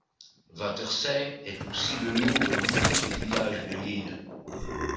Vatersay est aussi le nom de l'unique village de l'île.